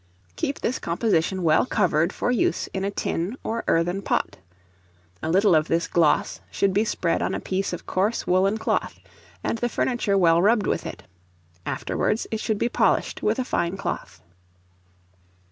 Keep this composition well covered for use in a tin or earthen pot. A little of this gloss should be spread on a piece of coarse woollen cloth, and the furniture well rubbed with it; afterwards it should be polished with a fine cloth.